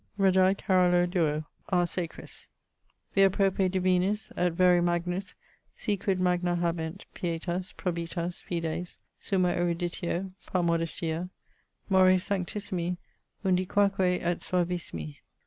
Regi Carolo IIº a sacris Vir prope divinus et vere magnus si quid magna habent Pietas, probitas, fides, summa eruditio, par modestia, Mores sanctissimi undiquaque et suavissimi.